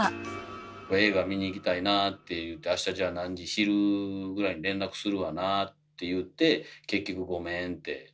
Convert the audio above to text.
映画見に行きたいなって言うてあしたじゃあ何時昼ぐらいに連絡するわなあって言って結局ごめんって。